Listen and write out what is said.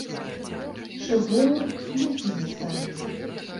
Шэдэўр, які не старэе.